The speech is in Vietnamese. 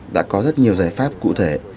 đã có rất nhiều giải pháp cụ thể